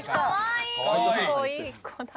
いい子いい子だ。